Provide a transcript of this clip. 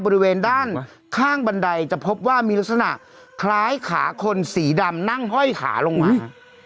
บริเวณด้านข้างบันไดจะพบว่ามีลักษณะคล้ายขาคนสีดำนั่งห้อยขาลงมา